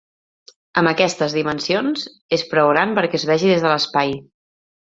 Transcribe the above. Amb aquestes dimensions, és prou gran perquè es vegi des de l'espai.